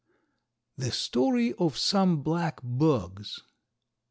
THE STORY OF SOME BLACK BUGS.